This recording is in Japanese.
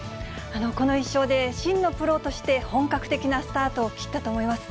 この１勝で、真のプロとして本格的なスタートを切ったと思います。